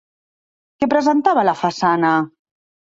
Què presentava la façana?